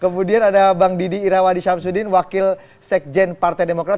kemudian ada bang didi irawadi syamsuddin wakil sekjen partai demokrat